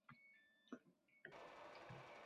Yaqinlari davrasida jigarini eslagan